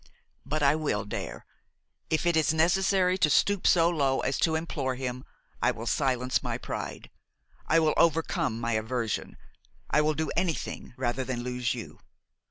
But I will dare. If it is necessary to stoop so low as to implore him, I will silence my pride, I will overcome my aversion, I will do anything rather than lose you.